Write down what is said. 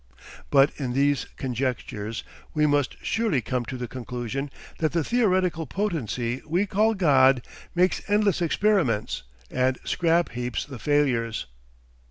But in these conjectures we must surely come to the conclusion that the theoretical potency we call 'God' makes endless experiments, and scrap heaps the failures.